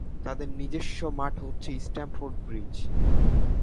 তাদের নিজস্ব মাঠ হচ্ছে স্ট্যামফোর্ড ব্রিজ।